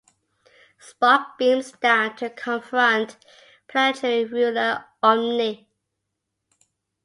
Spock beams down to confront planetary ruler Omne.